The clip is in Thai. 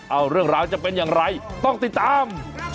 เอาเรื่องราวจะเป็นอย่างไรต้องติดตาม